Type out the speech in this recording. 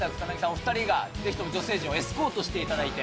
お２人が、ぜひとも女性陣をエスコートしていただいて。